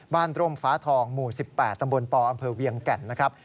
บ้านโดรมฟ้าทองหมู่๑๘ตำบลปอเวียงแก่นนะครับ